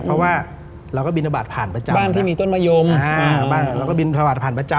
เพราะว่าเราก็บินทบาทผ่านประจำบ้านที่มีต้นมะยมบ้านเราก็บินทบาทผ่านประจำ